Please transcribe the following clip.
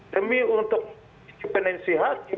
demi untuk independensi hakim